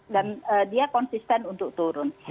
dan dia konsisten untuk turun